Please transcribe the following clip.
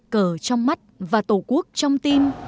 cờ trong mắt và tổ quốc trong tim